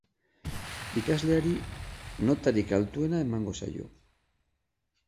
Ikasleari notarik altuena emango zaio.